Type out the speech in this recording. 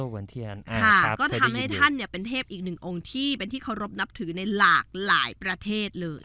ก็ทำให้ท่านเป็นเทพอีกหนึ่งองค์ที่เขารบนับถือในหลากหลายประเทศเลย